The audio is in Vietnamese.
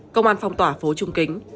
công an phong tỏa phố trung kính